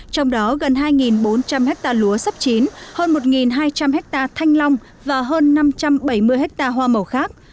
trong đó gần hai bốn trăm linh hectare lúa sắp chín hơn một hai trăm linh hectare thanh long và hơn năm trăm bảy mươi ha hoa màu khác